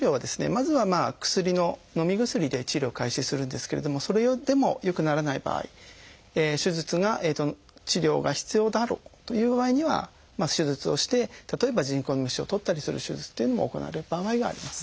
まずは薬ののみ薬で治療を開始するんですけれどもそれでも良くならない場合手術が治療が必要だろうという場合には手術をして例えば人工メッシュを取ったりする手術というのも行われる場合があります。